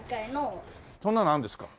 そんなのあるんですか。